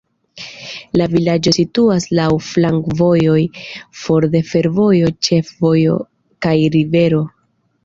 La vilaĝo situas laŭ flankovojoj, for de fervojo, ĉefvojo kaj rivero.